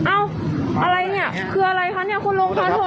อ้าวอะไรเนี่ยคืออะไรคะเนี่ยคุณโรงพาตรวจ